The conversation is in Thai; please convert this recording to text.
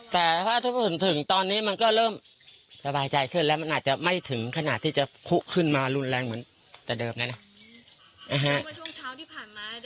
แต่ถ้าพูดถึงตอนนี้มันก็เริ่มสบายใจขึ้นแล้วมันอาจจะไม่ถึงขนาดที่จะคุขึ้นมารุนแรงเหมือนแต่เดิมแล้วนะ